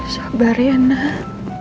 sabar ya nak